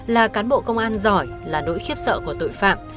là cán bộ công an giỏi là nỗi khiếp sợ của tội phạm